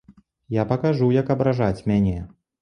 Я пакажу, як абражаць мяне!